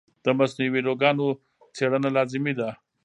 د مصنوعي ویډیوګانو څېړنه لازمي ده.